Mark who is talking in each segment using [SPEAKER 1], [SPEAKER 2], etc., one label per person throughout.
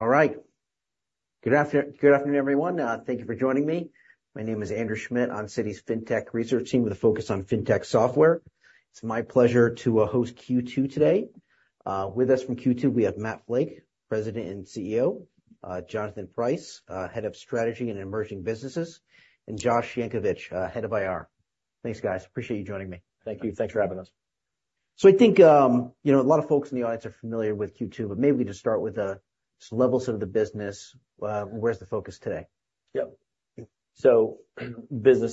[SPEAKER 1] All right. Good afternoon, everyone. Thank you for joining me. My name is Andrew Schmidt. I'm Citi's FinTech Research Team with a focus on FinTech software. It's my pleasure to host Q2 today. With us from Q2, we have Matt Flake, President and CEO, Jonathan Price, Head of Strategy and Emerging Businesses, and Josh Jankowski, Head of IR. Thanks, guys. Appreciate you joining me.
[SPEAKER 2] Thank you. Thanks for having us.
[SPEAKER 1] I think a lot of folks in the audience are familiar with Q2, but maybe we can just start with just levels of the business. Where's the focus today?
[SPEAKER 2] Yep. Q2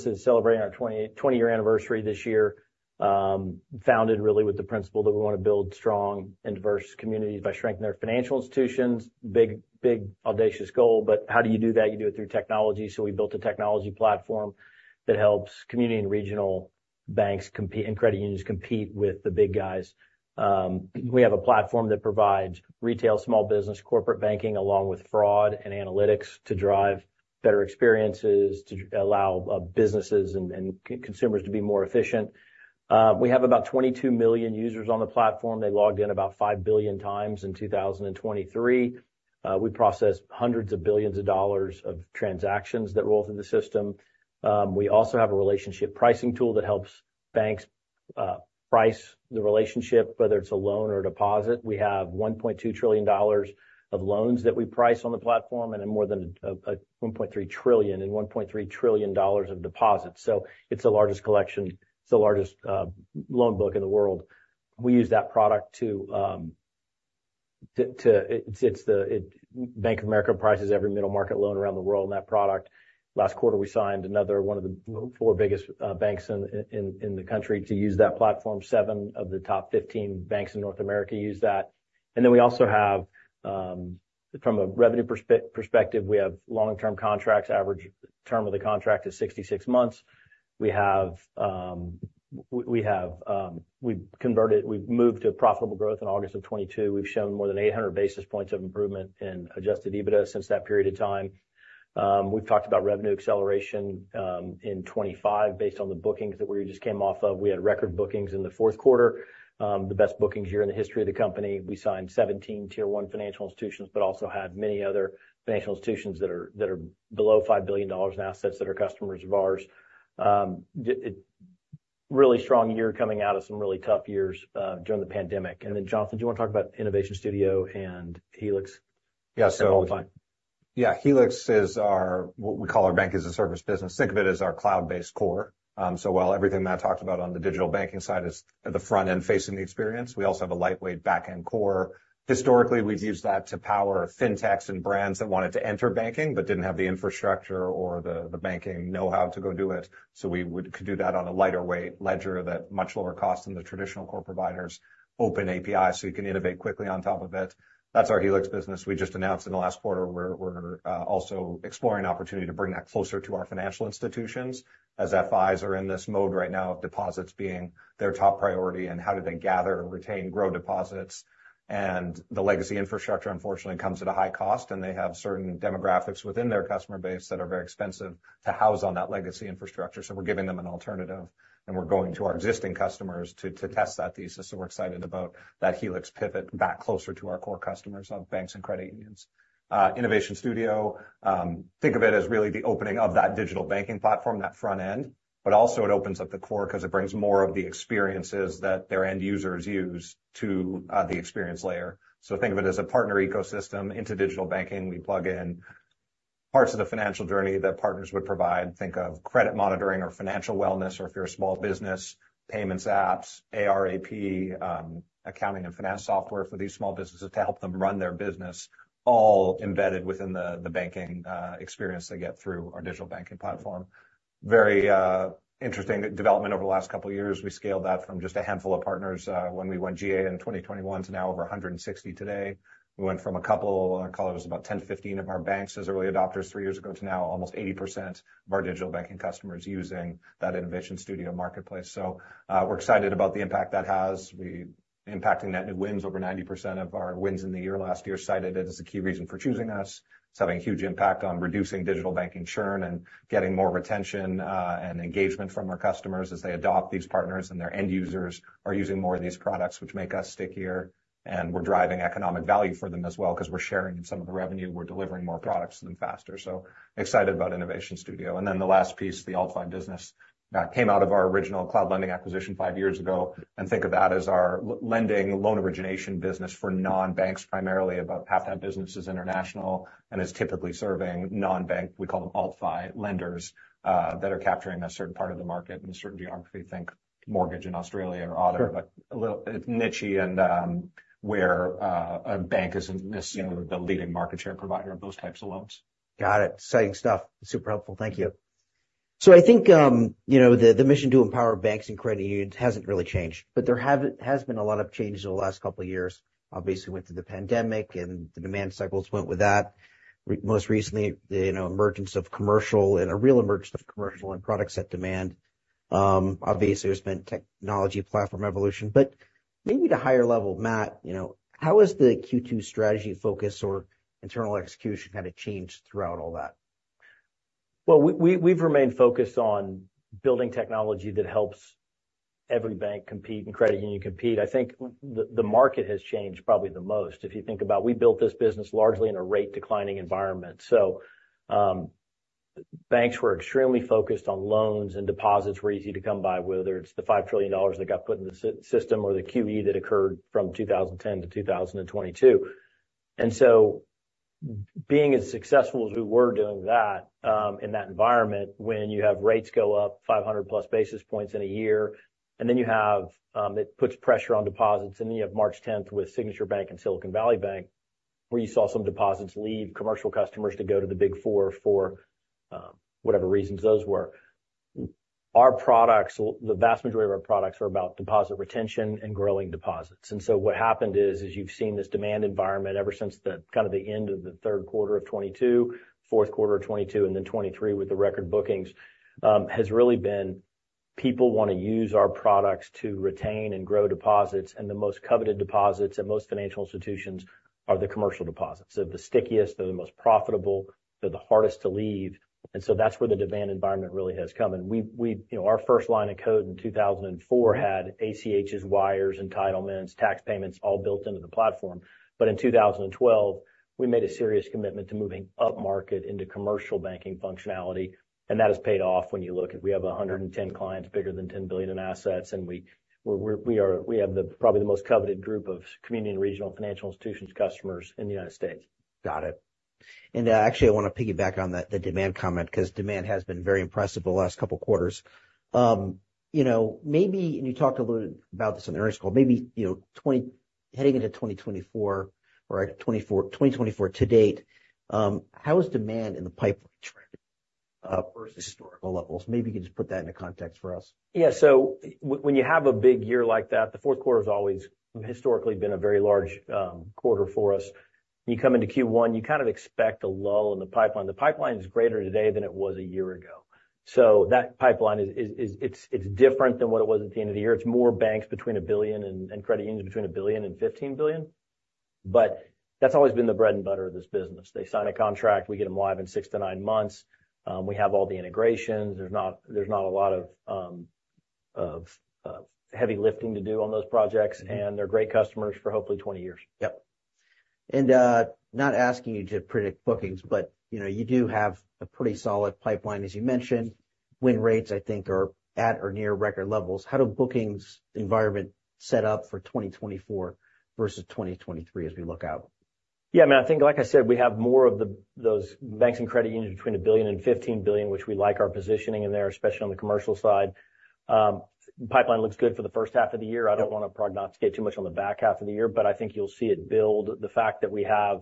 [SPEAKER 2] is celebrating our 20-year anniversary this year, founded really with the principle that we want to build strong and diverse communities by strengthening their financial institutions. Big, big, audacious goal. But how do you do that? You do it through technology. So we built a technology platform that helps community and regional banks compete and credit unions compete with the big guys. We have a platform that provides retail, small business, corporate banking, along with fraud and analytics to drive better experiences, to allow businesses and consumers to be more efficient. We have about 22 million users on the platform. They logged in about 5 billion times in 2023. We process $hundreds of billions of transactions that roll through the system. We also have a relationship pricing tool that helps banks price the relationship, whether it's a loan or a deposit. We have $1.2 trillion of loans that we price on the platform and more than $1.3 trillion and $1.3 trillion of deposits. So it's the largest collection. It's the largest loan book in the world. We use that product to. It's the Bank of America prices every middle market loan around the world in that product. Last quarter, we signed another one of the four biggest banks in the country to use that platform. Seven of the top 15 banks in North America use that. And then we also have, from a revenue perspective, we have long-term contracts. Average term of the contract is 66 months. We have. We've converted. We've moved to profitable growth in August of 2022. We've shown more than 800 basis points of improvement in adjusted EBITDA since that period of time. We've talked about revenue acceleration in 2025 based on the bookings that we just came off of. We had record bookings in the fourth quarter, the best bookings year in the history of the company. We signed 17 Tier 1 financial institutions, but also had many other financial institutions that are below $5 billion in assets that are customers of ours. Really strong year coming out of some really tough years during the pandemic. And then, Jonathan, do you want to talk about Innovation Studio and Helix and AltFi?
[SPEAKER 3] Yeah. So yeah, Helix is our—what we call our bank as a service business. Think of it as our cloud-based core. So while everything Matt talked about on the digital banking side is at the front end facing the experience, we also have a lightweight backend core. Historically, we've used that to power FinTechs and brands that wanted to enter banking but didn't have the infrastructure or the banking know-how to go do it. So we could do that on a lighter weight ledger that's much lower cost than the traditional core providers, open API, so you can innovate quickly on top of it. That's our Helix business. We just announced in the last quarter we're also exploring an opportunity to bring that closer to our financial institutions as FIs are in this mode right now of deposits being their top priority and how do they gather, retain, grow deposits. The legacy infrastructure, unfortunately, comes at a high cost, and they have certain demographics within their customer base that are very expensive to house on that legacy infrastructure. We're giving them an alternative, and we're going to our existing customers to test that thesis. We're excited about that Helix pivot back closer to our core customers of banks and credit unions. Innovation Studio, think of it as really the opening of that digital banking platform, that front end. But also, it opens up the core because it brings more of the experiences that their end users use to the experience layer. Think of it as a partner ecosystem into digital banking. We plug in parts of the financial journey that partners would provide. Think of credit monitoring or financial wellness, or if you're a small business, payments apps, AR/AP, accounting and finance software for these small businesses to help them run their business, all embedded within the banking experience they get through our digital banking platform. Very interesting development over the last couple of years. We scaled that from just a handful of partners when we went GA in 2021 to now over 160 today. We went from a couple, I call it was about 10, 15 of our banks as early adopters three years ago, to now almost 80% of our digital banking customers using that Innovation Studio marketplace. So we're excited about the impact that has. We're impacting net new wins over 90% of our wins in the year last year. Cited it as a key reason for choosing us. It's having a huge impact on reducing digital banking churn and getting more retention and engagement from our customers as they adopt these partners and their end users are using more of these products, which make us stick here. And we're driving economic value for them as well because we're sharing in some of the revenue. We're delivering more products to them faster. So excited about Innovation Studio. And then the last piece, the AltFi business, came out of our original Cloud Lending acquisition five years ago. And think of that as our lending loan origination business for non-banks, primarily. About half that business is international and is typically serving non-bank—we call them AltFi—lenders that are capturing a certain part of the market in a certain geography. Think mortgage in Australia or other, but a little, it's niche-y and where a bank isn't necessarily the leading market share provider of those types of loans.
[SPEAKER 1] Got it. Exciting stuff. Super helpful. Thank you. So I think the mission to empower banks and credit unions hasn't really changed, but there has been a lot of change in the last couple of years. Obviously, we went through the pandemic, and the demand cycles went with that. Most recently, the emergence of commercial and a real emergence of commercial and products at demand. Obviously, there's been technology platform evolution. But maybe at a higher level, Matt, how has the Q2 strategy focus or internal execution kind of changed throughout all that?
[SPEAKER 2] Well, we've remained focused on building technology that helps every bank compete and credit union compete. I think the market has changed probably the most. If you think about it, we built this business largely in a rate-declining environment. So banks were extremely focused on loans and deposits were easy to come by, whether it's the $5 trillion that got put in the system or the QE that occurred from 2010 to 2022. And so being as successful as we were doing that in that environment, when you have rates go up 500+ basis points in a year, and then you have, it puts pressure on deposits. And then you have March 10th with Signature Bank and Silicon Valley Bank, where you saw some deposits leave commercial customers to go to the Big Four for whatever reasons those were. Our products—the vast majority of our products—are about deposit retention and growing deposits. And so what happened is, as you've seen, this demand environment ever since kind of the end of the third quarter of 2022, fourth quarter of 2022, and then 2023 with the record bookings has really been people want to use our products to retain and grow deposits. And the most coveted deposits at most financial institutions are the commercial deposits. They're the stickiest. They're the most profitable. They're the hardest to leave. And so that's where the demand environment really has come. And our first line of code in 2004 had ACHs, wires, entitlements, tax payments all built into the platform. But in 2012, we made a serious commitment to moving upmarket into commercial banking functionality. And that has paid off when you look at it. We have 110 clients, bigger than $10 billion in assets, and we have probably the most coveted group of community and regional financial institutions customers in the United States.
[SPEAKER 1] Got it. Actually, I want to piggyback on the demand comment because demand has been very impressive the last couple of quarters. Maybe, and you talked a little bit about this on the earnings call, maybe heading into 2024 or 2024 to date, how is demand in the pipeline trend versus historical levels? Maybe you can just put that into context for us.
[SPEAKER 2] Yeah. So when you have a big year like that, the fourth quarter has always historically been a very large quarter for us. You come into Q1, you kind of expect a lull in the pipeline. The pipeline is greater today than it was a year ago. So that pipeline, it's different than what it was at the end of the year. It's more banks between 1 billion and credit unions between 1 billion and 15 billion. But that's always been the bread and butter of this business. They sign a contract. We get them live in 6-9 months. We have all the integrations. There's not a lot of heavy lifting to do on those projects, and they're great customers for hopefully 20 years.
[SPEAKER 1] Yep. Not asking you to predict bookings, but you do have a pretty solid pipeline, as you mentioned. Win rates, I think, are at or near record levels. How does the bookings environment set up for 2024 versus 2023 as we look out?
[SPEAKER 2] Yeah. I mean, I think, like I said, we have more of those banks and credit unions between $1 billion and $15 billion, which we like our positioning in there, especially on the commercial side. The pipeline looks good for the first half of the year. I don't want to prognosticate too much on the back half of the year, but I think you'll see it build. The fact that we have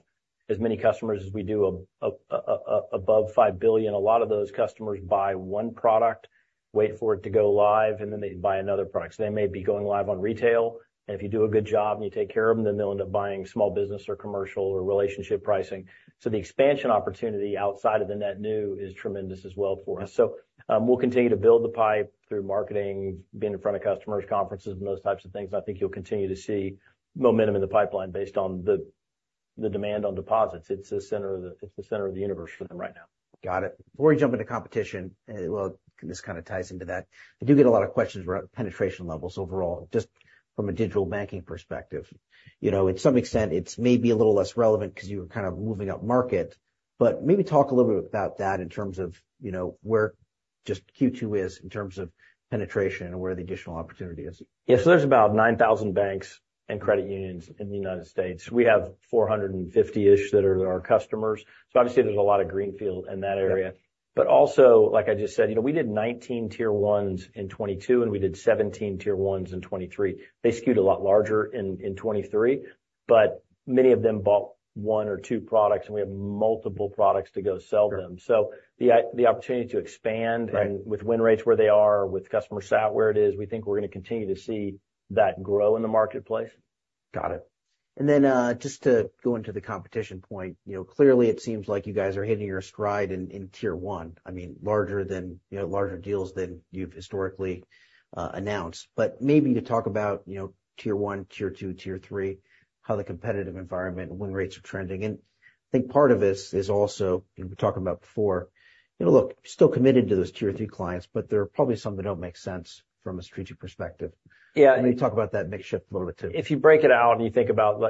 [SPEAKER 2] as many customers as we do above $5 billion, a lot of those customers buy one product, wait for it to go live, and then they buy another product. So they may be going live on retail. And if you do a good job and you take care of them, then they'll end up buying small business or commercial or relationship pricing. So the expansion opportunity outside of the net new is tremendous as well for us. We'll continue to build the pipe through marketing, being in front of customers, conferences, and those types of things. I think you'll continue to see momentum in the pipeline based on the demand on deposits. It's the center of the. It's the center of the universe for them right now.
[SPEAKER 1] Got it. Before we jump into competition, well, this kind of ties into that. I do get a lot of questions around penetration levels overall, just from a digital banking perspective. In some extent, it may be a little less relevant because you were kind of moving up market. But maybe talk a little bit about that in terms of where just Q2 is in terms of penetration and where the additional opportunity is.
[SPEAKER 2] Yeah. So there's about 9,000 banks and credit unions in the United States. We have 450-ish that are our customers. So obviously, there's a lot of greenfield in that area. But also, like I just said, we did 19 Tier 1s in 2022, and we did 17 Tier 1s in 2023. They skewed a lot larger in 2023, but many of them bought one or two products, and we have multiple products to go sell them. So the opportunity to expand and with win rates where they are, with customer sat where it is, we think we're going to continue to see that grow in the marketplace.
[SPEAKER 1] Got it. Then just to go into the competition point, clearly, it seems like you guys are hitting your stride in Tier 1. I mean, larger deals than you've historically announced. But maybe to talk about Tier 1, Tier 2, Tier 3, how the competitive environment and win rates are trending. And I think part of this is also, we talked about before, look, still committed to those Tier Three clients, but there are probably some that don't make sense from a strategic perspective. Maybe talk about that mix-shift a little bit too.
[SPEAKER 2] Yeah. If you break it out and you think about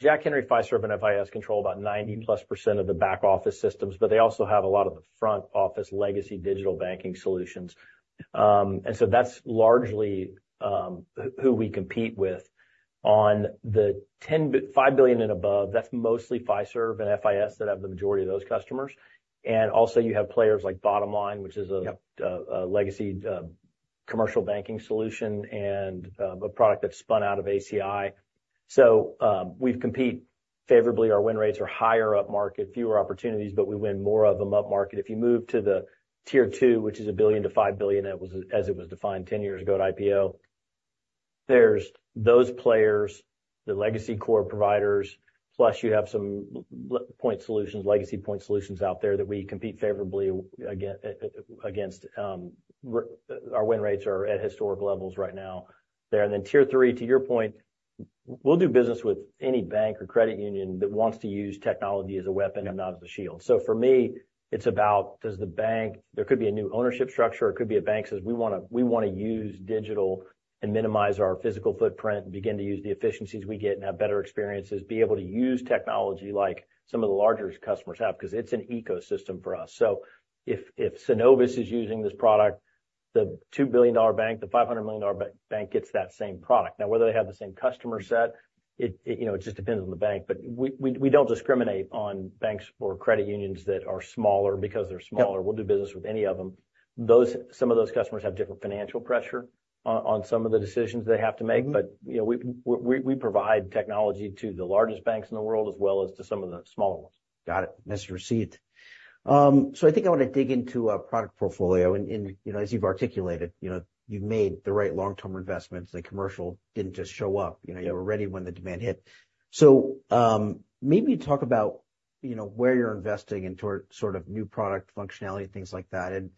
[SPEAKER 2] Jack Henry, Fiserv, and FIS control about 90%+ of the back-office systems, but they also have a lot of the front-office legacy digital banking solutions. And so that's largely who we compete with. On the $5 billion and above, that's mostly Fiserv and FIS that have the majority of those customers. And also, you have players like Bottomline, which is a legacy commercial banking solution and a product that's spun out of ACI. So we compete favorably. Our win rates are higher upmarket, fewer opportunities, but we win more of them upmarket. If you move to the Tier Two, which is a billion to $5 billion as it was defined 10 years ago at IPO, there's those players, the legacy core providers, plus you have some legacy point solutions out there that we compete favorably against. Our win rates are at historic levels right now there. And then Tier Three, to your point, we'll do business with any bank or credit union that wants to use technology as a weapon and not as a shield. So for me, it's about, does the bank, there could be a new ownership structure. It could be a bank says, "We want to use digital and minimize our physical footprint, begin to use the efficiencies we get and have better experiences, be able to use technology like some of the larger customers have because it's an ecosystem for us." So if Synovus is using this product, the $2 billion bank, the $500 million bank gets that same product. Now, whether they have the same customer set, it just depends on the bank. But we don't discriminate on banks or credit unions that are smaller because they're smaller. We'll do business with any of them. Some of those customers have different financial pressure on some of the decisions they have to make, but we provide technology to the largest banks in the world as well as to some of the smaller ones.
[SPEAKER 1] Got it. Mr. Flake. So I think I want to dig into a product portfolio. And as you've articulated, you've made the right long-term investments. The commercial didn't just show up. You were ready when the demand hit. So maybe talk about where you're investing in sort of new product functionality, things like that. And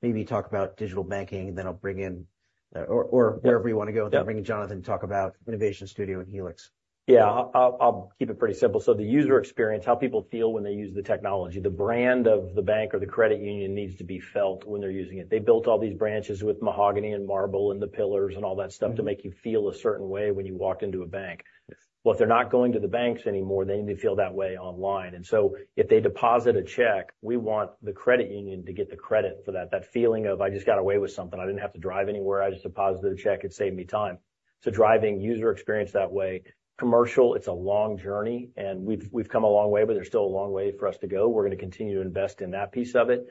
[SPEAKER 1] maybe talk about digital banking, and then I'll bring in or wherever you want to go. Then bring in Jonathan and talk about Innovation Studio and Helix.
[SPEAKER 2] Yeah. I'll keep it pretty simple. So the user experience, how people feel when they use the technology. The brand of the bank or the credit union needs to be felt when they're using it. They built all these branches with mahogany and marble and the pillars and all that stuff to make you feel a certain way when you walked into a bank. Well, if they're not going to the banks anymore, they need to feel that way online. And so if they deposit a check, we want the credit union to get the credit for that, that feeling of, "I just got away with something. I didn't have to drive anywhere. I just deposited a check. It saved me time." So driving user experience that way. Commercial, it's a long journey, and we've come a long way, but there's still a long way for us to go. We're going to continue to invest in that piece of it.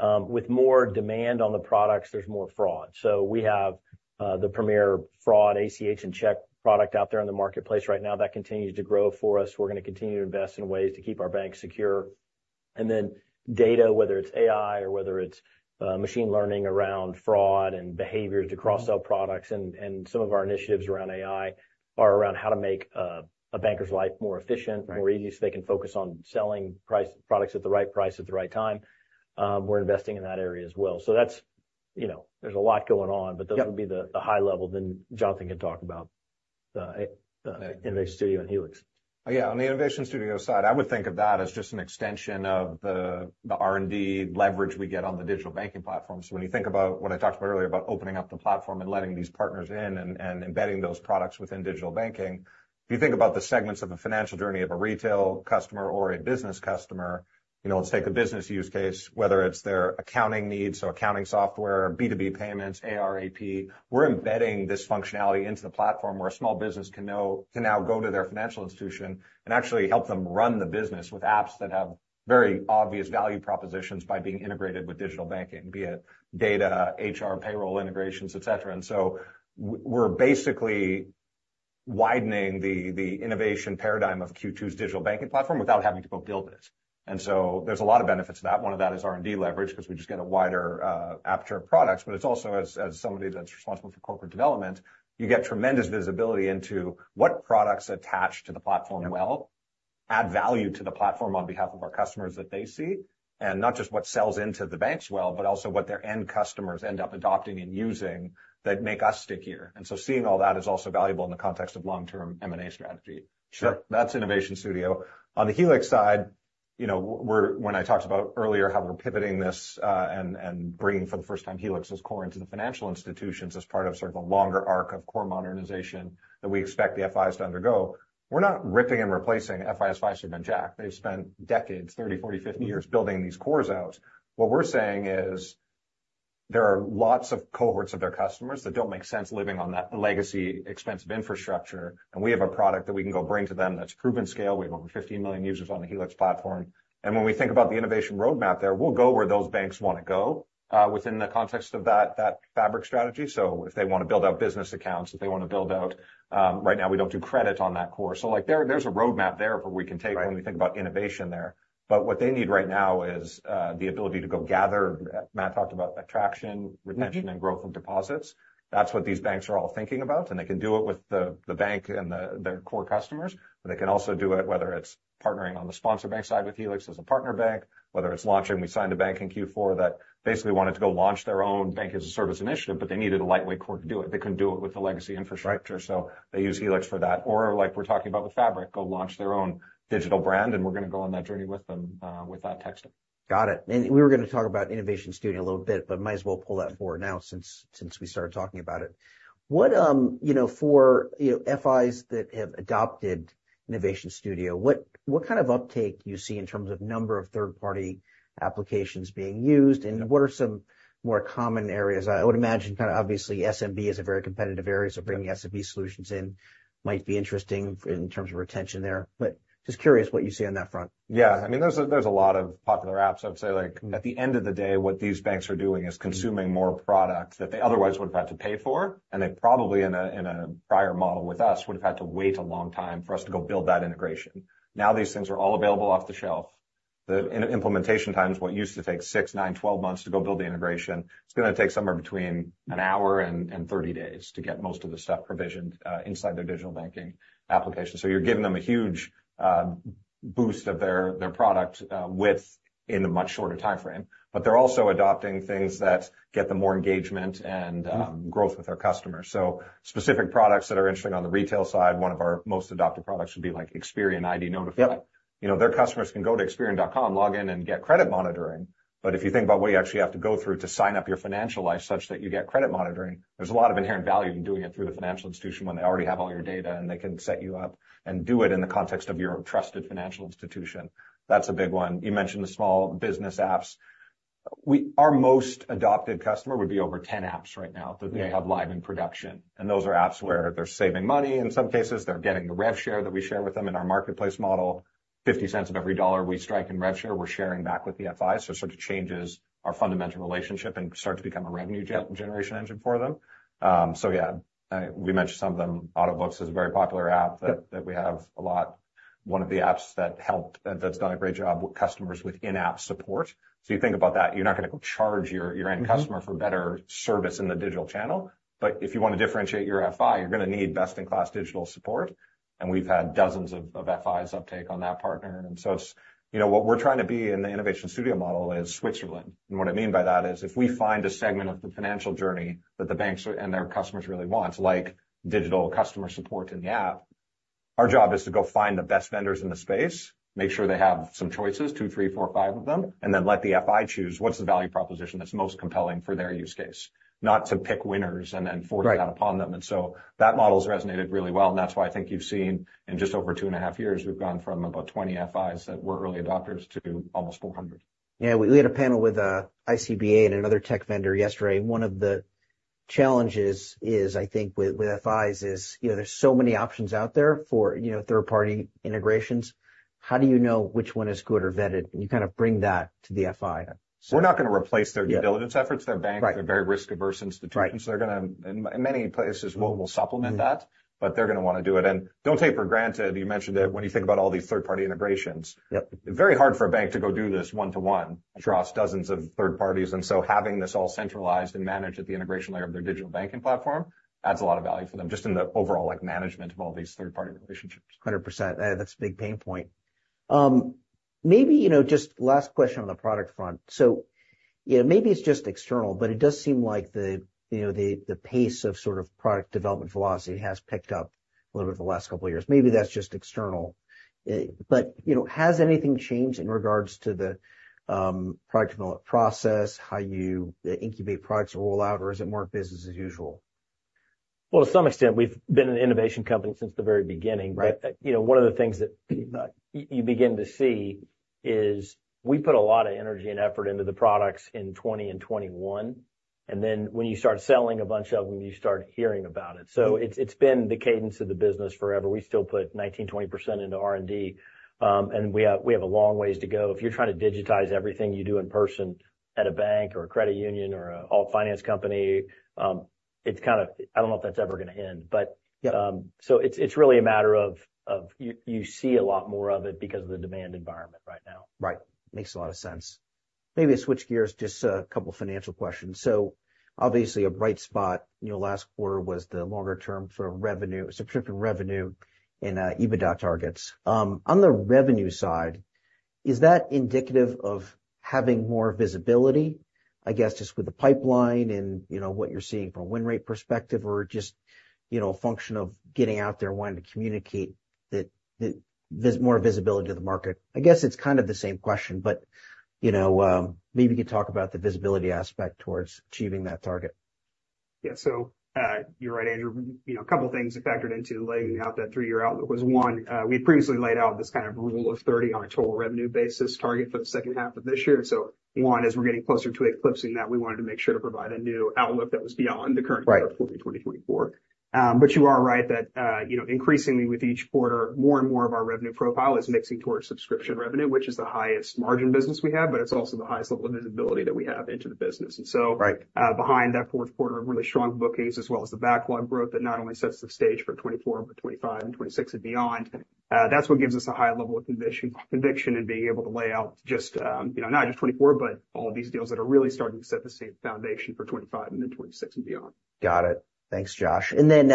[SPEAKER 2] With more demand on the products, there's more fraud. So we have the premier fraud, ACH, and check product out there in the marketplace right now that continues to grow for us. We're going to continue to invest in ways to keep our banks secure. And then data, whether it's AI or whether it's machine learning around fraud and behaviors to cross-sell products. And some of our initiatives around AI are around how to make a banker's life more efficient, more easy, so they can focus on selling products at the right price at the right time. We're investing in that area as well. So there's a lot going on, but those would be the high level. Then Jonathan can talk about Innovation Studio and Helix.
[SPEAKER 3] Yeah. On the Innovation Studio side, I would think of that as just an extension of the R&D leverage we get on the digital banking platform. So when you think about what I talked about earlier about opening up the platform and letting these partners in and embedding those products within digital banking, if you think about the segments of a financial journey of a retail customer or a business customer, let's take a business use case, whether it's their accounting needs, so accounting software, B2B payments, AR/AP, we're embedding this functionality into the platform where a small business can now go to their financial institution and actually help them run the business with apps that have very obvious value propositions by being integrated with digital banking, be it data, HR, payroll integrations, etc. And so we're basically widening the innovation paradigm of Q2's Digital Banking Platform without having to go build it. And so there's a lot of benefits to that. One of that is R&D leverage because we just get a wider aperture of products. But it's also, as somebody that's responsible for corporate development, you get tremendous visibility into what products attach to the platform well, add value to the platform on behalf of our customers that they see, and not just what sells into the banks well, but also what their end customers end up adopting and using that make us stick here. And so seeing all that is also valuable in the context of long-term M&A strategy. So that's Innovation Studio. On the Helix side, when I talked about earlier how we're pivoting this and bringing for the first time Helix as core into the financial institutions as part of sort of a longer arc of core modernization that we expect the FIs to undergo, we're not ripping and replacing FIS, Fiserv, and Jack. They've spent decades, 30, 40, 50 years building these cores out. What we're saying is there are lots of cohorts of their customers that don't make sense living on that legacy expensive infrastructure. And we have a product that we can go bring to them that's proven scale. We have over 15 million users on the Helix platform. And when we think about the innovation roadmap there, we'll go where those banks want to go within the context of that Fabric strategy. So if they want to build out business accounts, if they want to build out right now, we don't do credit on that core. So there's a roadmap there where we can take when we think about innovation there. But what they need right now is the ability to go gather. Matt talked about attraction, retention, and growth of deposits. That's what these banks are all thinking about. And they can do it with the bank and their core customers, but they can also do it whether it's partnering on the sponsor bank side with Helix as a partner bank, whether it's launching. We signed a bank in Q4 that basically wanted to go launch their own bank-as-a-service initiative, but they needed a lightweight core to do it. They couldn't do it with the legacy infrastructure. So they use Helix for that. Or, like we're talking about with Fabric, go launch their own digital brand, and we're going to go on that journey with them with that tech stack.
[SPEAKER 1] Got it. And we were going to talk about Innovation Studio a little bit, but might as well pull that forward now since we started talking about it. For FIs that have adopted Innovation Studio, what kind of uptake do you see in terms of number of third-party applications being used, and what are some more common areas? I would imagine kind of obviously, SMB is a very competitive area, so bringing SMB solutions in might be interesting in terms of retention there. But just curious what you see on that front.
[SPEAKER 2] Yeah. I mean, there's a lot of popular apps. I would say at the end of the day, what these banks are doing is consuming more product that they otherwise would have had to pay for, and they probably in a prior model with us would have had to wait a long time for us to go build that integration. Now these things are all available off the shelf. The implementation times, what used to take six, nine, 12 months to go build the integration, it's going to take somewhere between an hour and 30 days to get most of the stuff provisioned inside their digital banking application. So you're giving them a huge boost of their product width in a much shorter timeframe. But they're also adopting things that get them more engagement and growth with their customers. So specific products that are interesting on the retail side, one of our most adopted products would be like Experian IDNotify. Their customers can go to Experian.com, log in, and get credit monitoring. But if you think about what you actually have to go through to sign up your financial life such that you get credit monitoring, there's a lot of inherent value in doing it through the financial institution when they already have all your data and they can set you up and do it in the context of your trusted financial institution. That's a big one. You mentioned the small business apps. Our most adopted customer would be over 10 apps right now that they have live in production. And those are apps where they're saving money. In some cases, they're getting the rev share that we share with them in our marketplace model. $0.50 of every dollar we strike in rev share, we're sharing back with the FIs. So it sort of changes our fundamental relationship and starts to become a revenue generation engine for them. So yeah, we mentioned some of them. Autobooks is a very popular app that we have a lot. One of the apps that's done a great job with customers with in-app support. So you think about that, you're not going to go charge your end customer for better service in the digital channel. But if you want to differentiate your FI, you're going to need best-in-class digital support. And we've had dozens of FIs uptake on that partner. And so what we're trying to be in the Innovation Studio model is Switzerland. What I mean by that is if we find a segment of the financial journey that the banks and their customers really want, like digital customer support in the app, our job is to go find the best vendors in the space, make sure they have some choices, two, three, four, five of them, and then let the FI choose what's the value proposition that's most compelling for their use case, not to pick winners and then force that upon them. And so that model's resonated really well. And that's why I think you've seen in just over two and a half years, we've gone from about 20 FIs that were early adopters to almost 400.
[SPEAKER 1] Yeah. We had a panel with ICBA and another tech vendor yesterday. One of the challenges is, I think, with FIs is there's so many options out there for third-party integrations. How do you know which one is good or vetted? And you kind of bring that to the FI.
[SPEAKER 3] We're not going to replace their due diligence efforts. They're banks. They're very risk-averse institutions. And many places, we'll supplement that, but they're going to want to do it. And don't take for granted you mentioned that when you think about all these third-party integrations, it's very hard for a bank to go do this one-to-one across dozens of third parties. And so having this all centralized and managed at the integration layer of their digital banking platform adds a lot of value for them just in the overall management of all these third-party relationships.
[SPEAKER 1] 100%. That's a big pain point. Maybe just last question on the product front. So maybe it's just external, but it does seem like the pace of sort of product development velocity has picked up a little bit over the last couple of years. Maybe that's just external. But has anything changed in regards to the product development process, how you incubate products or roll out, or is it more business as usual?
[SPEAKER 2] Well, to some extent, we've been an innovation company since the very beginning. But one of the things that you begin to see is we put a lot of energy and effort into the products in 2020 and 2021. And then when you start selling a bunch of them, you start hearing about it. So it's been the cadence of the business forever. We still put 19%-20% into R&D. And we have a long ways to go. If you're trying to digitize everything you do in person at a bank or a credit union or an alt finance company, it's kind of, I don't know, if that's ever going to end. So it's really a matter of you see a lot more of it because of the demand environment right now.
[SPEAKER 1] Right. Makes a lot of sense. Maybe switch gears, just a couple of financial questions. So obviously, a bright spot last quarter was the longer-term sort of subscription revenue and EBITDA targets. On the revenue side, is that indicative of having more visibility, I guess, just with the pipeline and what you're seeing from a win-rate perspective, or just a function of getting out there and wanting to communicate more visibility to the market? I guess it's kind of the same question, but maybe you could talk about the visibility aspect towards achieving that target?
[SPEAKER 4] Yeah. So you're right, Andrew. A couple of things factored into laying out that three-year outlook was one. We had previously laid out this kind of Rule of 30 on a total revenue basis target for the second half of this year. And so one, as we're getting closer to eclipsing that, we wanted to make sure to provide a new outlook that was beyond the current quarter of Q2 2024. But you are right that increasingly, with each quarter, more and more of our revenue profile is mixing towards subscription revenue, which is the highest margin business we have, but it's also the highest level of visibility that we have into the business. And so behind that fourth quarter of really strong bookings as well as the backlog growth that not only sets the stage for 2024, but 2025 and 2026 and beyond, that's what gives us a high level of conviction in being able to lay out just not just 2024, but all of these deals that are really starting to set the foundation for 2025 and then 2026 and beyond.
[SPEAKER 1] Got it. Thanks, Josh. And then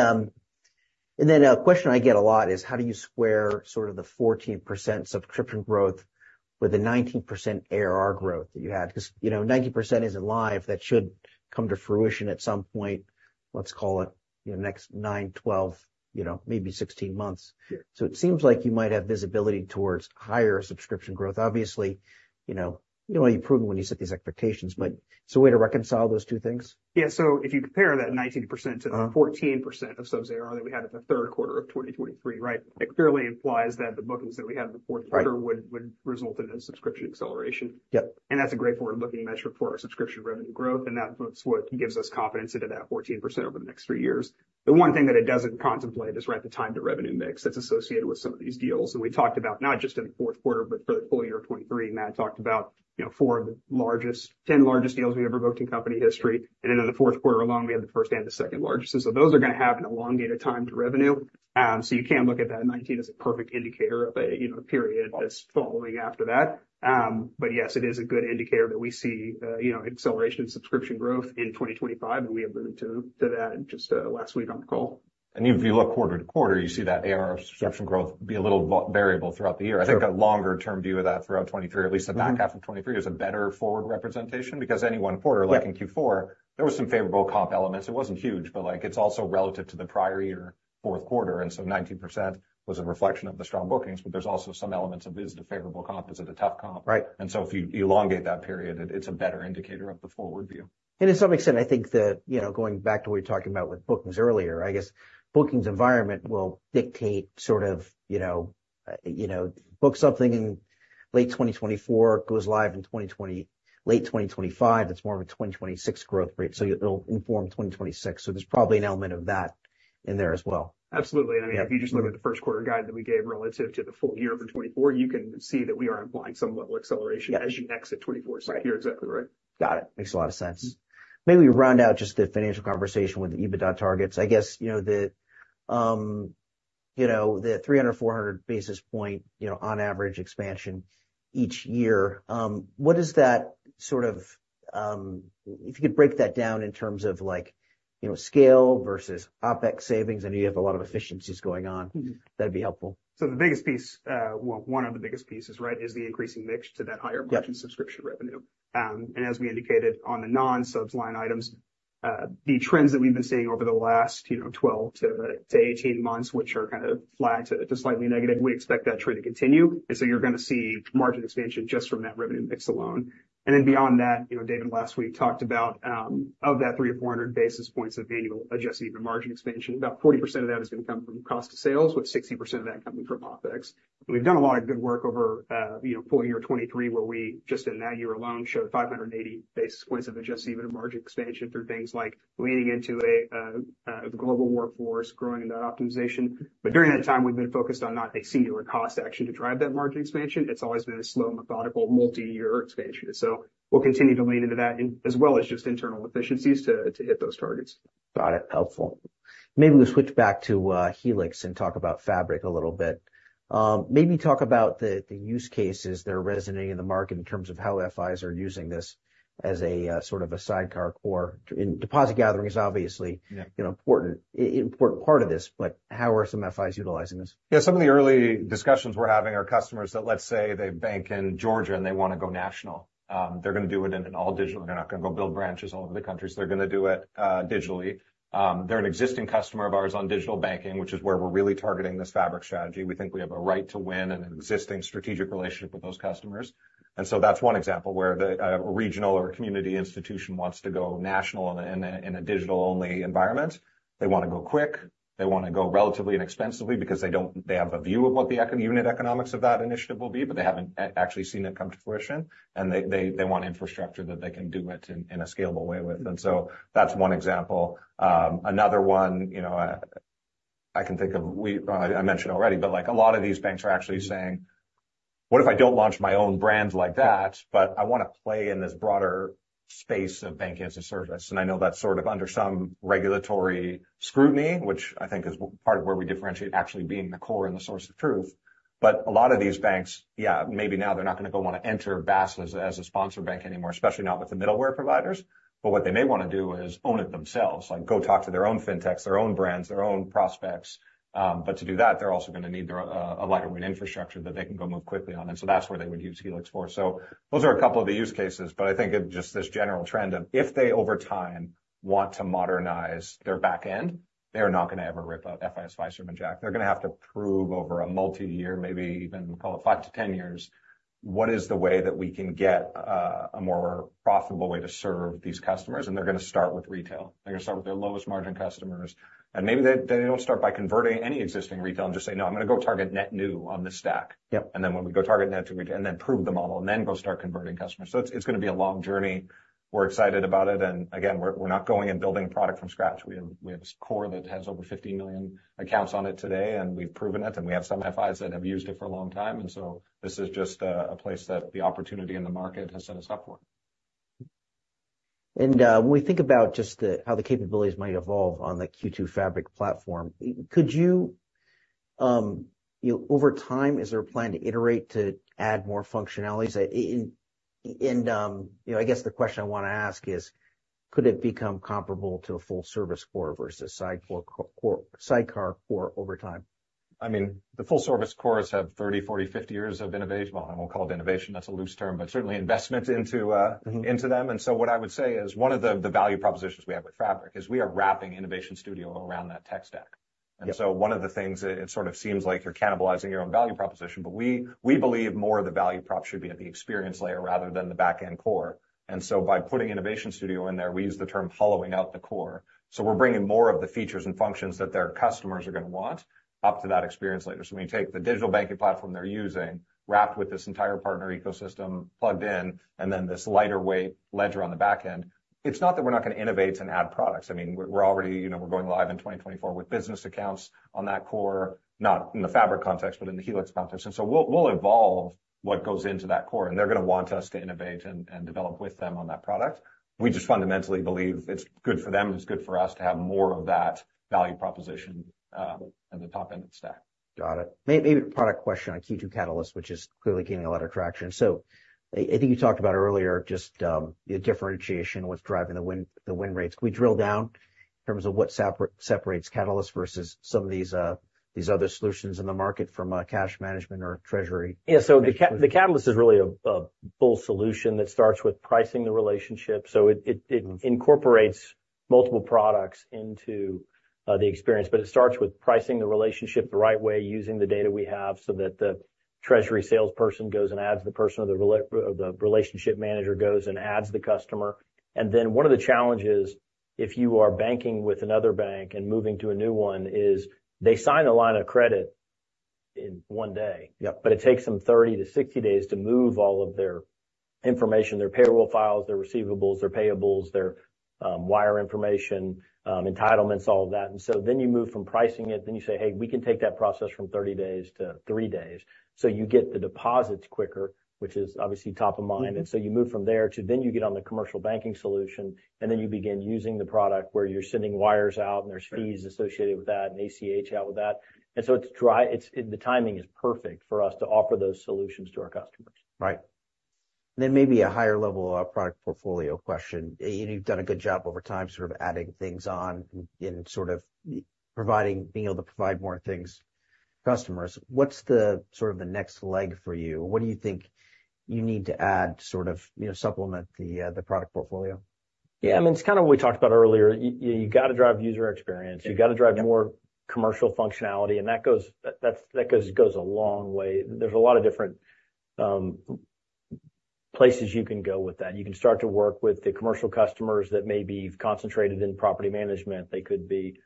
[SPEAKER 1] a question I get a lot is, how do you square sort of the 14% subscription growth with the 19% ARR growth that you had? Because 90% isn't live. That should come to fruition at some point, let's call it, next 9, 12, maybe 16 months. So it seems like you might have visibility towards higher subscription growth. Obviously, you know what? You prove them when you set these expectations. But it's a way to reconcile those two things.
[SPEAKER 4] Yeah. So if you compare that 19% to the 14% of subs ARR that we had in the third quarter of 2023, right, it clearly implies that the bookings that we had in the fourth quarter would result in a subscription acceleration. And that's a great forward-looking metric for our subscription revenue growth. And that's what gives us confidence into that 14% over the next three years. The one thing that it doesn't contemplate is, right, the time-to-revenue mix that's associated with some of these deals. And we talked about not just in the fourth quarter, but for the full year of 2023, Matt talked about 4 of the 10 largest deals we've ever booked in company history. And then in the fourth quarter alone, we had the first and the second largest. And so those are going to have an elongated time to revenue. You can look at that 19 as a perfect indicator of a period that's following after that. But yes, it is a good indicator that we see acceleration in subscription growth in 2025. We have room to that just last week on the call.
[SPEAKER 2] And if you look quarter-to-quarter, you see that ARR of subscription growth be a little variable throughout the year. I think a longer-term view of that throughout 2023, at least the back half of 2023, is a better forward representation because any one quarter, like in Q4, there were some favorable comp elements. It wasn't huge, but it's also relative to the prior year fourth quarter. And so 19% was a reflection of the strong bookings, but there's also some elements of, is it a favorable comp? Is it a tough comp? And so if you elongate that period, it's a better indicator of the forward view.
[SPEAKER 1] To some extent, I think that going back to what you're talking about with bookings earlier, I guess bookings environment will dictate sort of book something in late 2024, goes live in late 2025, that's more of a 2026 growth rate. So it'll inform 2026. So there's probably an element of that in there as well.
[SPEAKER 4] Absolutely. I mean, if you just look at the first quarter guide that we gave relative to the full year for 2024, you can see that we are implying some level of acceleration as you exit 2024. You're exactly right.
[SPEAKER 1] Got it. Makes a lot of sense. Maybe round out just the financial conversation with the EBITDA targets. I guess the 300-400 basis points on average expansion each year, what does that sort of if you could break that down in terms of scale versus OpEx savings, I know you have a lot of efficiencies going on. That'd be helpful.
[SPEAKER 4] So the biggest piece, one of the biggest pieces, right, is the increasing mix to that higher margin subscription revenue. And as we indicated on the non-subs line items, the trends that we've been seeing over the last 12-18 months, which are kind of flagged to slightly negative, we expect that trend to continue. And so you're going to see margin expansion just from that revenue mix alone. And then beyond that, David last week talked about of that 300 or 400 basis points of annual adjusted EBITDA margin expansion, about 40% of that is going to come from cost to sales, with 60% of that coming from OpEx. We've done a lot of good work over full year 2023 where we just in that year alone showed 580 basis points of adjusted EBITDA margin expansion through things like leaning into the global workforce, growing in that optimization. But during that time, we've been focused on not a singular cost action to drive that margin expansion. It's always been a slow, methodical, multi-year expansion. So we'll continue to lean into that as well as just internal efficiencies to hit those targets.
[SPEAKER 1] Got it. Helpful. Maybe we'll switch back to Helix and talk about Fabric a little bit. Maybe talk about the use cases that are resonating in the market in terms of how FIs are using this as sort of a sidecar core. Deposit gathering is obviously an important part of this, but how are some FIs utilizing this?
[SPEAKER 2] Yeah. Some of the early discussions we're having are customers that, let's say, they bank in Georgia and they want to go national. They're going to do it in an all-digital. They're not going to go build branches all over the country. So they're going to do it digitally. They're an existing customer of ours on digital banking, which is where we're really targeting this Fabric strategy. We think we have a right to win and an existing strategic relationship with those customers. And so that's one example where a regional or a community institution wants to go national in a digital-only environment. They want to go quick. They want to go relatively inexpensively because they have a view of what the unit economics of that initiative will be, but they haven't actually seen it come to fruition. And they want infrastructure that they can do it in a scalable way with. And so that's one example. Another one I can think of, I mentioned already, but a lot of these banks are actually saying, "What if I don't launch my own brand like that, but I want to play in this broader space of banking as a service?" And I know that's sort of under some regulatory scrutiny, which I think is part of where we differentiate actually being the core and the source of truth. But a lot of these banks, yeah, maybe now they're not going to go want to enter BaaS as a sponsor bank anymore, especially not with the middleware providers. But what they may want to do is own it themselves, go talk to their own fintechs, their own brands, their own prospects. But to do that, they're also going to need a lighter-weight infrastructure that they can go move quickly on. And so that's where they would use Helix for. So those are a couple of the use cases. But I think just this general trend of if they over time want to modernize their backend, they are not going to ever rip out FIS, Fiserv, and Jack. They're going to have to prove over a multi-year, maybe even call it 5-10 years, what is the way that we can get a more profitable way to serve these customers? And they're going to start with retail. They're going to start with their lowest margin customers. Maybe they don't start by converting any existing retail and just say, "No, I'm going to go target net new on this stack." Then when we go target net to retail and then prove the model and then go start converting customers. So it's going to be a long journey. We're excited about it. Again, we're not going and building a product from scratch. We have a core that has over 15 million accounts on it today, and we've proven it. And we have some FIs that have used it for a long time. And so this is just a place that the opportunity in the market has set us up for.
[SPEAKER 1] And when we think about just how the capabilities might evolve on the Q2 Fabric platform, could you over time, is there a plan to iterate to add more functionalities? And I guess the question I want to ask is, could it become comparable to a full-service core versus sidecar core over time?
[SPEAKER 2] I mean, the full-service cores have 30, 40, 50 years of innovation. Well, I won't call it innovation. That's a loose term, but certainly investment into them. And so what I would say is one of the value propositions we have with Fabric is we are wrapping Innovation Studio around that tech stack. And so one of the things, it sort of seems like you're cannibalizing your own value proposition, but we believe more of the value prop should be at the experience layer rather than the backend core. And so by putting Innovation Studio in there, we use the term hollowing out the core. So we're bringing more of the features and functions that their customers are going to want up to that experience layer. So when you take the digital banking platform they're using, wrapped with this entire partner ecosystem plugged in, and then this lighter-weight ledger on the backend, it's not that we're not going to innovate and add products. I mean, we're already going live in 2024 with business accounts on that core, not in the Fabric context, but in the Helix context. And so we'll evolve what goes into that core. And they're going to want us to innovate and develop with them on that product. We just fundamentally believe it's good for them and it's good for us to have more of that value proposition in the top-end stack.
[SPEAKER 1] Got it. Maybe a product question on Q2 Catalyst, which is clearly gaining a lot of traction. So I think you talked about earlier just the differentiation, what's driving the win rates. Can we drill down in terms of what separates Catalyst versus some of these other solutions in the market from cash management or treasury?
[SPEAKER 2] Yeah. So the Catalyst is really a full solution that starts with pricing the relationship. So it incorporates multiple products into the experience, but it starts with pricing the relationship the right way, using the data we have so that the treasury salesperson goes and adds the person, or the relationship manager goes and adds the customer. And then one of the challenges, if you are banking with another bank and moving to a new one, is they sign a line of credit in 1 day, but it takes them 30-60 days to move all of their information, their payroll files, their receivables, their payables, their wire information, entitlements, all of that. And so then you move from pricing it, then you say, "Hey, we can take that process from 30 days to 3 days." So you get the deposits quicker, which is obviously top of mind. And so you move from there to then you get on the commercial banking solution, and then you begin using the product where you're sending wires out and there's fees associated with that and ACH out with that. And so the timing is perfect for us to offer those solutions to our customers.
[SPEAKER 1] Right. And then maybe a higher-level product portfolio question. You've done a good job over time sort of adding things on and sort of being able to provide more things to customers. What's sort of the next leg for you? What do you think you need to add sort of supplement the product portfolio?
[SPEAKER 2] Yeah. I mean, it's kind of what we talked about earlier. You got to drive user experience. You got to drive more commercial functionality. That goes a long way. There's a lot of different places you can go with that. You can start to work with the commercial customers that maybe you've concentrated in property management. They could be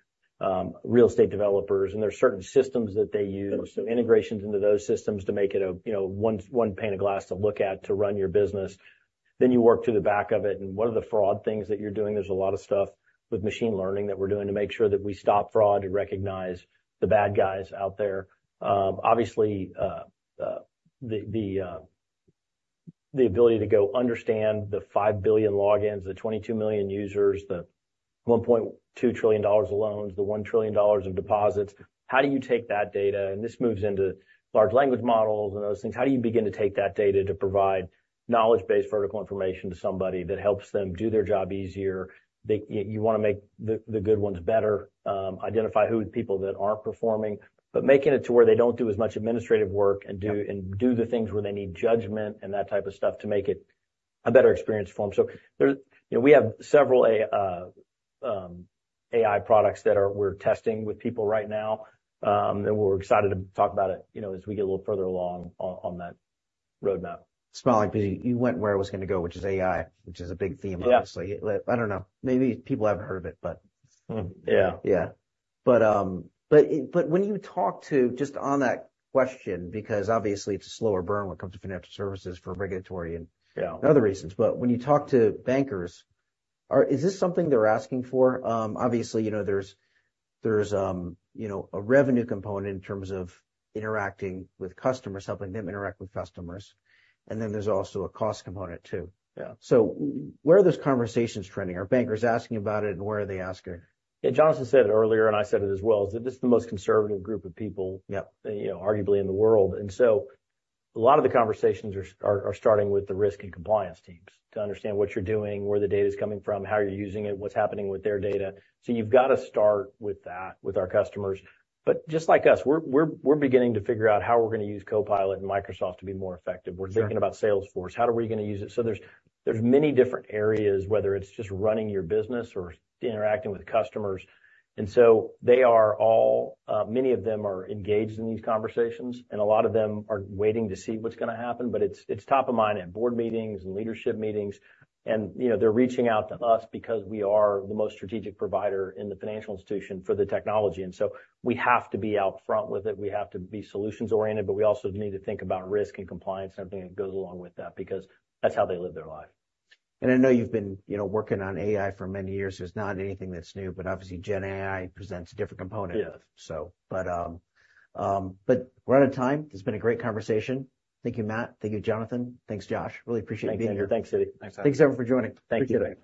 [SPEAKER 2] real estate developers. There's certain systems that they use, so integrations into those systems to make it one pane of glass to look at to run your business. Then you work through the back of it. What are the fraud things that you're doing? There's a lot of stuff with machine learning that we're doing to make sure that we stop fraud and recognize the bad guys out there. Obviously, the ability to go understand the 5 billion logins, the 22 million users, the $1.2 trillion loans, the $1 trillion of deposits. How do you take that data? And this moves into large language models and those things. How do you begin to take that data to provide knowledge-based vertical information to somebody that helps them do their job easier? You want to make the good ones better, identify who are the people that aren't performing, but making it to where they don't do as much administrative work and do the things where they need judgment and that type of stuff to make it a better experience for them. So we have several AI products that we're testing with people right now. And we're excited to talk about it as we get a little further along on that roadmap.
[SPEAKER 1] It's not like you went where it was going to go, which is AI, which is a big theme, obviously. I don't know. Maybe people haven't heard of it, but.
[SPEAKER 2] Yeah.
[SPEAKER 1] Yeah. But when you talk to just on that question, because obviously, it's a slower burn when it comes to financial services for regulatory and other reasons. But when you talk to bankers, is this something they're asking for? Obviously, there's a revenue component in terms of interacting with customers, helping them interact with customers. And then there's also a cost component too. So where are those conversations trending? Are bankers asking about it, and where are they asking?
[SPEAKER 2] Yeah. Jonathan said it earlier, and I said it as well: that this is the most conservative group of people, arguably, in the world. So a lot of the conversations are starting with the risk and compliance teams to understand what you're doing, where the data is coming from, how you're using it, what's happening with their data. You've got to start with that with our customers. But just like us, we're beginning to figure out how we're going to use Copilot and Microsoft to be more effective. We're thinking about Salesforce. How are we going to use it? So there's many different areas, whether it's just running your business or interacting with customers. Many of them are engaged in these conversations, and a lot of them are waiting to see what's going to happen. But it's top of mind at board meetings and leadership meetings. They're reaching out to us because we are the most strategic provider in the financial institution for the technology. So we have to be out front with it. We have to be solutions-oriented, but we also need to think about risk and compliance and everything that goes along with that because that's how they live their life.
[SPEAKER 1] I know you've been working on AI for many years. There's not anything that's new, but obviously, Gen AI presents a different component, so. We're out of time. This has been a great conversation. Thank you, Matt. Thank you, Jonathan. Thanks, Josh. Really appreciate you being here.
[SPEAKER 2] Thank you. Thanks, Cindy.
[SPEAKER 1] Thanks, Evan, for joining.
[SPEAKER 2] Thank you.